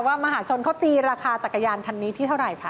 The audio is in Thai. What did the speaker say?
มหาชนเขาตีราคาจักรยานคันนี้ที่เท่าไหร่คะ